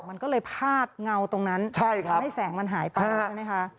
มันก็เลยพาดเงาตรงนั้นทำให้แสงมันหายไปใช่ไหมคะ